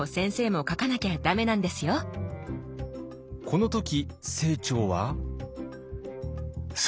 この時清張は。